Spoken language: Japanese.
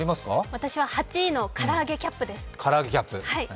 私は８位のからあげキャップです。